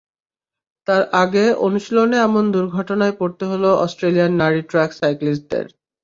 তার আগে অনুশীলনে এমন দুর্ঘটনায় পড়তে হলো অস্ট্রেলিয়ার নারী ট্র্যাক সাইক্লিস্টদের।